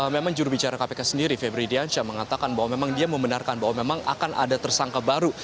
memang jurubicara kpk sendiri febri diansyah mengatakan bahwa memang dia membenarkan bahwa memang akan ada tersangka baru